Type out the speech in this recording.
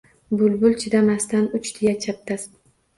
Bulbul chidamasdan uchdi-ya chapdast